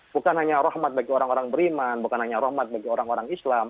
bukan hanya rahmat bagi orang orang beriman bukan hanya rahmat bagi orang orang islam